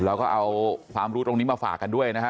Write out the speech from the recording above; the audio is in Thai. เราก็เอาความรู้ตรงนี้มาฝากกันด้วยนะฮะ